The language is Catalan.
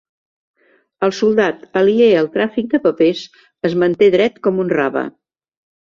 El soldat, aliè al tràfic de papers, es manté dret com un rave.